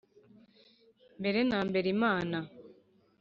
mbere na mbere imana